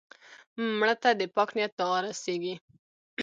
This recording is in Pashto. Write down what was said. مړه ته د پاک نیت دعا رسېږي